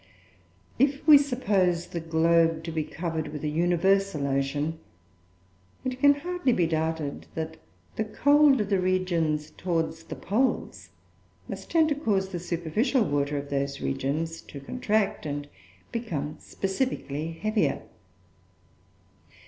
If we suppose the globe to be covered with a universal ocean, it can hardly be doubted that the cold of the regions towards the poles must tend to cause the superficial water of those regions to contract and become specifically heavier.